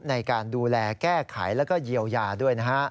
ในการดูแลแก้ไขแล้วก็เยียวยาด้วยนะฮะ